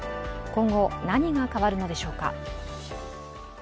今後、何が変わるのでしょうか？